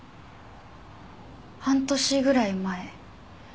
半年ぐらい前。